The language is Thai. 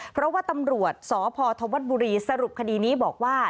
เพราะว่าตำรวจสพธวัฒนบุรีสรุปคดีนี้บอกว่า